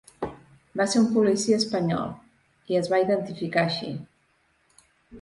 Va ser un policia espanyol, i es va identificar així.